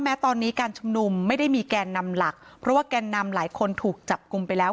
แม้ตอนนี้การชุมนุมไม่ได้มีแกนนำหลักเพราะว่าแกนนำหลายคนถูกจับกลุ่มไปแล้ว